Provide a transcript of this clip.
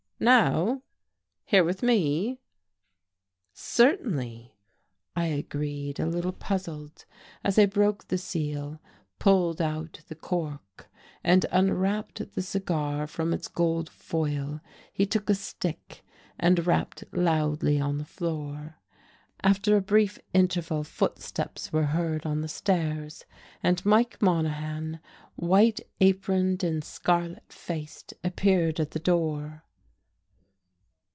"Now? Here with me?" "Certainly," I agreed, a little puzzled. As I broke the seal, pulled out the cork and unwrapped the cigar from its gold foil he took a stick and rapped loudly on the floor. After a brief interval footsteps were heard on the stairs and Mike Monahan, white aproned and scarlet faced, appeared at the door.